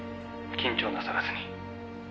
「緊張なさらずに。